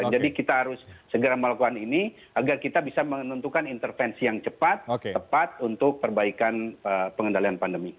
jadi kita harus segera melakukan ini agar kita bisa menentukan intervensi yang cepat tepat untuk perbaikan pengendalian pandemi